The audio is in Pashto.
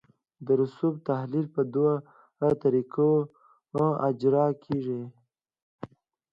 د رسوب تحلیل په دوه طریقو اجرا کیږي